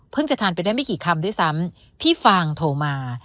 จะทานไปได้ไม่กี่คำด้วยซ้ำพี่ฟางโทรมา